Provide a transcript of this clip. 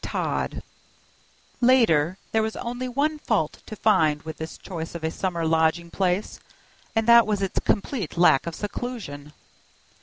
Todd LATER, THERE WAS only one fault to find with this choice of a summer lodging place, and that was its complete lack of seclusion.